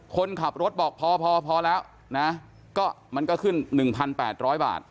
คนขับรถบอกพอพอพอแล้วนะก็มันก็ขึ้นหนึ่งพันแปดร้อยบาท